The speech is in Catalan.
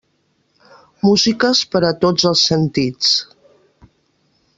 Músiques per a tots els sentits.